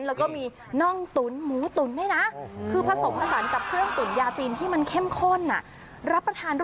แล้วก็มีนองตุ๋นหมูตุ๋น